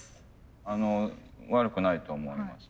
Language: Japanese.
あの悪くないと思います。